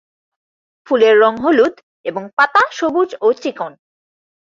ফুলের রং হলুদ এবং পাতা সবুজ ও চিকন।